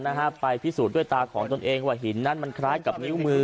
นะฮะไปพิสูจน์ด้วยตาของตนเองว่าหินนั้นมันคล้ายกับนิ้วมือ